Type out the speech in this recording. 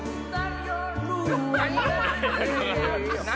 何？